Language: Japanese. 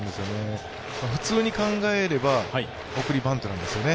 普通に考えれば送りバントなんですよね。